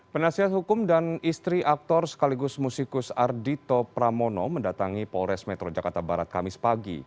penasihat hukum dan istri aktor sekaligus musikus ardhito pramono mendatangi polres metro jakarta barat kamis pagi